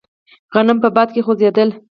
غنم په باد کې خوځېدل.